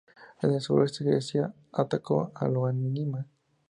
En el suroeste, Grecia atacó Ioánina.